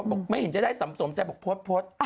บอกไม่เห็นจะได้สมสมแต่บอกพลด